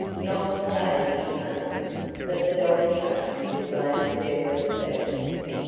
Not the baby only, but the dog chain, was laid at Deborah's feet.